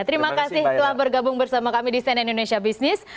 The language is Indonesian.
terima kasih telah bergabung bersama kami di cnn indonesia business